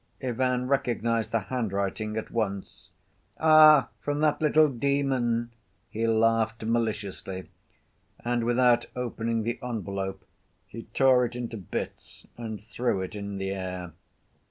Ivan recognized the handwriting at once. "Ah, from that little demon!" he laughed maliciously, and, without opening the envelope, he tore it into bits and threw it in the air.